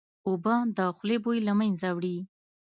اوبه د خولې بوی له منځه وړي